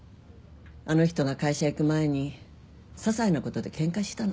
あの人が会社行く前にささいなことでケンカしたの。